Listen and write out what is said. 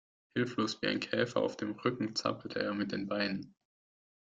Hilflos wie ein Käfer auf dem Rücken zappelt er mit den Beinen.